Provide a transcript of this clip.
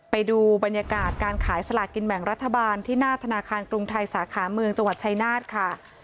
ไปดูบรรยากาศการขายสลากินแบ่งรัฐบาลที่หน้าธนาคารกรุงไทยสาขาเมืองจังหวัดชายนาฏค่ะ